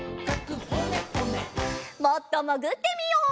もっともぐってみよう。